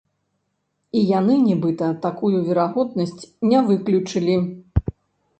І яны, нібыта, такую верагоднасць не выключылі.